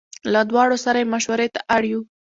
له دواړو سره یې مشوړې ته اړ یو.